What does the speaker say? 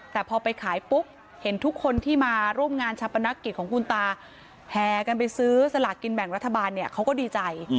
แต่พอไปขายปุ๊บเห็นทุกคนที่มาร่วมงานชาปนักกิจของคุณตาแห่กันไปซื้อสลากกินแบ่งรัฐบาลเนี่ยเขาก็ดีใจ